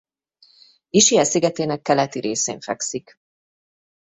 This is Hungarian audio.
Ischia szigetének keleti részén fekszik.